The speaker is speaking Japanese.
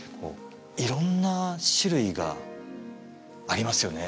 色んな種類がありますよね